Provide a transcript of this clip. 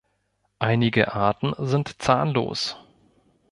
Einige Arten sind zahnlos.